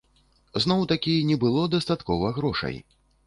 Зноў-такі не было дастаткова грошай.